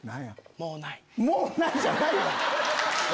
「もうない」じゃないわ！